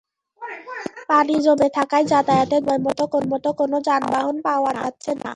পানি জমে থাকায় যাতায়াতের জন্য সময়মতো কোনো যানবাহন পাওয়া যাচ্ছে না।